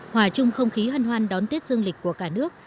hòa chung không khí hân hoan đón tiết dương lịch của cả nước